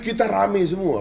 kita rame semua